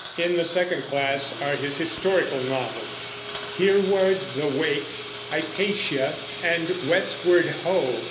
In the second class are his historical novels, Hereward the Wake, Hypatia, and _Westward Ho!